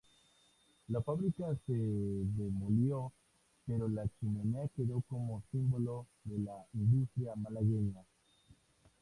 La fábrica se demolió pero la chimenea quedó como símbolo de la industria malagueña.